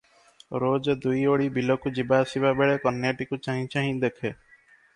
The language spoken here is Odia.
ରୋଜ ଦୁଇଓଳି ବିଲକୁ ଯିବା ଆସିବା ବେଳେ କନ୍ୟାଟିକୁ ଚାହିଁ ଚାହିଁ ଦେଖେ ।